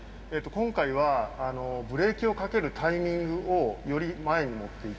今回はブレーキをかけるタイミングをより前に持っていきます。